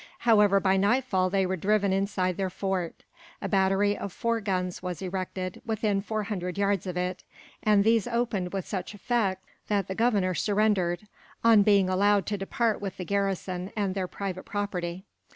However, by nightfall they were driven inside their fort. A battery of four guns was erected, within four hundred yards of it; and these opened with such effect that the governor surrendered, on being allowed to depart with the garrison and their private property.